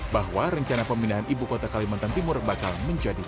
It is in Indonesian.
bahwa rencana pemindahan ibu kota kalimantan timur bakal menjadi